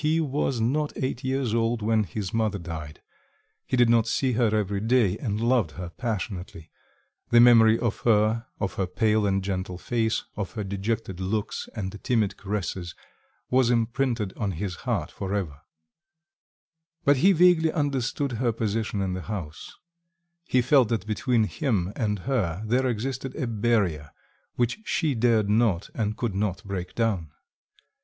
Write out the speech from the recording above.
He was not eight years old when his mother died; he did not see her every day, and loved her passionately; the memory of her, of her pale and gentle face, of her dejected looks and timid caresses, was imprinted on his heart for ever; but he vaguely understood her position in the house; he felt that between him and her there existed a barrier which she dared not and could not break down.